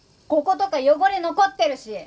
こことか汚れ残ってるし！